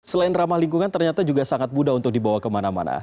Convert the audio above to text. selain ramah lingkungan ternyata juga sangat mudah untuk dibawa kemana mana